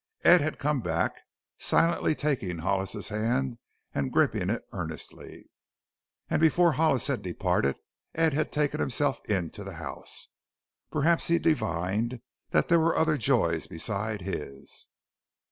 Ed had come back, silently taking Hollis's hand and gripping it earnestly. And before Hollis had departed Ed had taken himself into the house. Perhaps he divined that there were other's joys beside his.